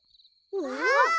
わあ！